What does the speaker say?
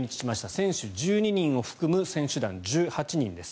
選手１２人を含む選手団１８人です。